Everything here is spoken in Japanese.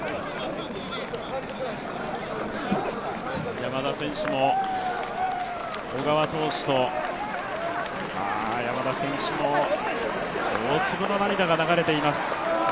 山田選手も小川投手と、山田選手も大粒の涙が流れています。